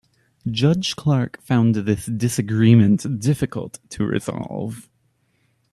Judge Clark found this disagreement difficult to resolve.